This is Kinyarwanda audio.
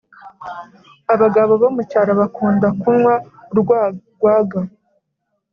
Abagabo bomucyaro bakunda kunywa urwagwaga